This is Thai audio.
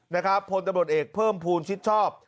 นะครับพลตำรวจเอกเพิ่มภูมิชิดชอบ